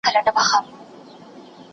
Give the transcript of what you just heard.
د خپل بدن ستونزې واوره